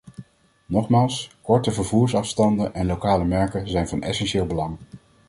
Nogmaals, korte vervoersafstanden en lokale merken zijn van essentieel belang.